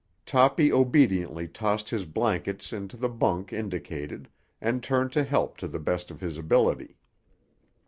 Toppy obediently tossed his blankets into the bunk indicated and turned to help to the best of his ability.